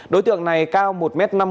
đối tượng này cao một m năm mươi